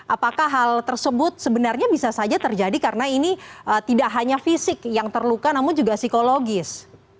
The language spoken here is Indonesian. apakah hal tersebut sebenarnya bisa saja terjadi karena ini tidak hanya fisik yang terluka namun juga psikologis